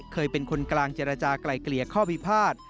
เคยเป็นคนกลางเจรจากลายเกลี่ยข้อพิพาท